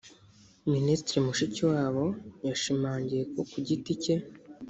Minisitiri Mushikiwabo yashimangiye ko ku giti cye